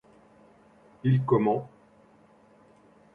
Il commen